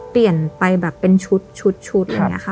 เปลี่ยนไปแบบเป็นชุดอย่างนี้ค่ะ